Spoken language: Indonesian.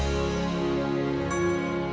dia sih bagus